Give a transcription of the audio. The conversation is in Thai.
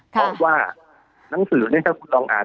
เพราะว่าที่นังสือถ้าคุณลองอ่าน